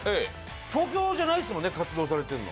東京じゃないですもんね活動してるの。